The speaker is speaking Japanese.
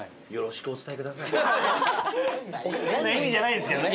変な意味じゃないですけどね。